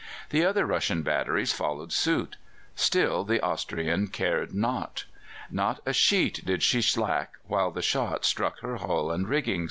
The other Russian batteries followed suit; still the Austrian cared not. Not a sheet did she slack, while the shot struck her hull and rigging.